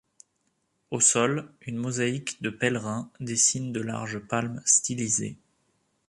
Au sol, une mosaïque de Pèlerin dessine de larges palmes stylisées.